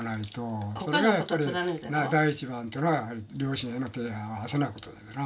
それがやっぱり第一番というのは両親への手を合わせない事だからな。